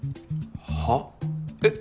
はっ？えっ？